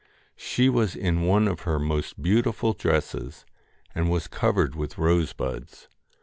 She was in one of her most beautiful dresses, and was covered with rosebuds.